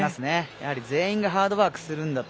やはり全員がハードワークするんだと。